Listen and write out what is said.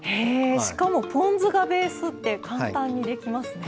しかもポン酢がベースって簡単にできますね。